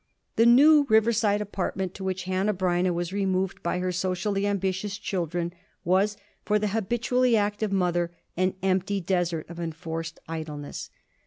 The new Riverside apartment to which Hanneh Breineh was removed by her socially ambitious children was for the habitually active mother an empty desert of enforced idleness.